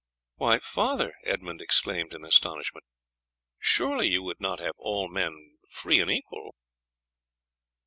"Why, father," Edmund exclaimed in astonishment, "surely you would not have all men free and equal."